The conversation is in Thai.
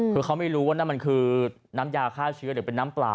คือเขาไม่รู้ว่านั่นมันคือน้ำยาฆ่าเชื้อหรือเป็นน้ำเปล่า